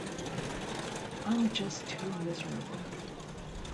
I'm just too miserable.